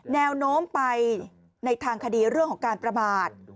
แนวโน้มไปในทางคดีเรื่องของการประมาท